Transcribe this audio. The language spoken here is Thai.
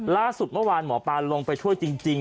ล่าสุดเมื่อวานหมอปลาลงไปช่วยจริง